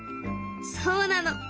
そうなの。